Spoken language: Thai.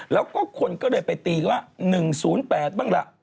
แล้วก็คนก็เลยไปตีกันว่า๑๐๘บ้างล่ะ